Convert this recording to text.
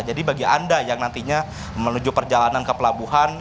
jadi bagi anda yang nantinya menuju perjalanan ke pelabuhan